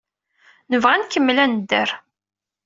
Nebɣa ad nkemmel ad nedder.